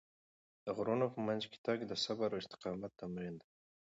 د غرونو په منځ کې تګ د صبر او استقامت تمرین دی.